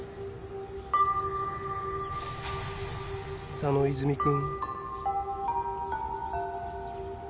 佐野泉君。